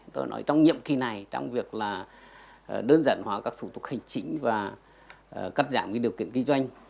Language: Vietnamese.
tôi nói trong nhiệm kỳ này trong việc là đơn giản hóa các thủ tục hành chính và cắt giảm điều kiện kinh doanh